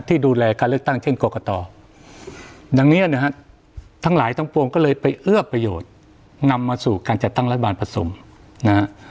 ที่ดูแลการเลือกตั้งเช่นกรกตดังนี้นะฮะทั้งหลายทั้งปวงก็เลยไปเอื้อประโยชน์นำมาสู่การจัดตั้งรัฐบาลผสมนะฮะ